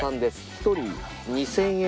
１人２０００円。